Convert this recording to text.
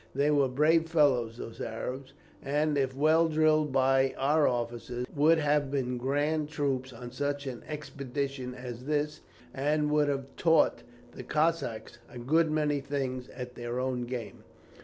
They were brave fellows, those Arabs; and, if well drilled by our officers, would have been grand troops on such an expedition as this, and would have taught the Cossacks a good many things at their own game.